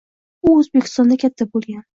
U O‘zbekistonda katta bo‘lgan.